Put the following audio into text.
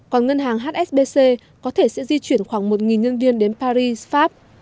còn ngân hàng hsbc có thể sẽ di chuyển khoảng một nhân viên đến paris pháp